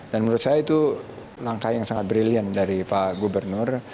dan menurut saya itu langkah yang sangat brilliant dari pak gubernur